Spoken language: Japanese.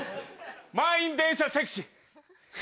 満員電車セクシー。